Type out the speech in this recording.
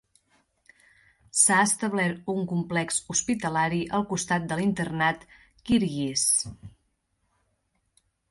S"ha establert un complex hospitalari al costat de l"internat Kyrgyz.